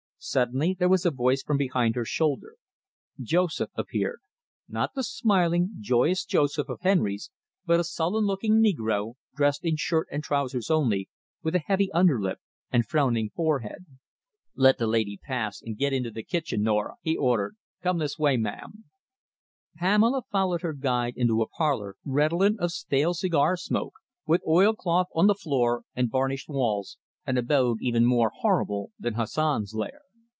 Suddenly there was a voice from behind her shoulder. Joseph appeared not the smiling, joyous Joseph of Henry's but a sullen looking negro, dressed in shirt and trousers only, with a heavy under lip and frowning forehead. "Let the lady pass and get into the kitchen, Nora," he ordered, "Come this way, mam." Pamela followed her guide into a parlour, redolent of stale cigar smoke, with oilcloth on the floor and varnished walls, an abode even more horrible than Hassan's lair.